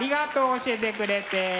教えてくれて。